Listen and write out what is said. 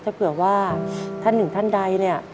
ถ้าเผื่อว่าท่านหนึ่งท่านใดเนี่ย